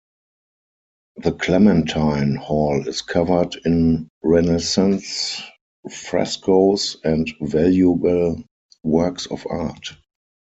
The Clementine Hall is covered in Renaissance frescoes and valuable works of art.